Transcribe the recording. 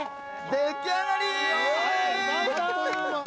出来上がり！